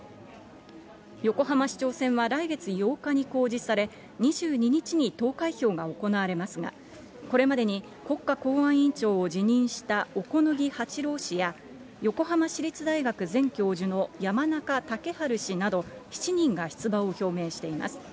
横浜市長選は来月８日に告示され、２２日に投開票が行われますが、これまでに国家公安委員長を辞任したおこのぎはちろう氏や横浜市立大学前教授の山中竹春氏など、７人が出馬を表明しています。